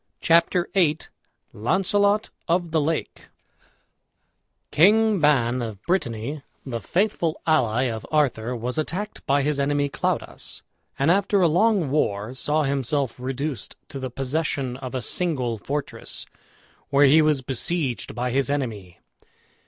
CHAPTER VIII LAUNCELOT OF THE LAKE King Ban, of Brittany, the faithful ally of Arthur was attacked by his enemy Claudas, and after a long war saw himself reduced to the possession of a single fortress, where he was besieged by his enemy.